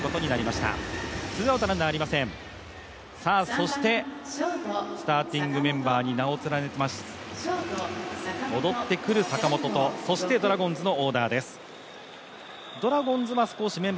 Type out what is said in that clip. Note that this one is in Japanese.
そして、スターティングメンバーに戻ってくる坂本と、そしてドラゴンズのオーダーです。